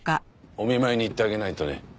お見舞いに行ってあげないとね。